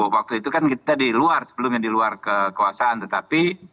waktu itu kan kita di luar sebelumnya di luar kekuasaan tetapi